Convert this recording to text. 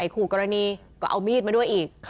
คู่กรณีก็เอามีดมาด้วยอีก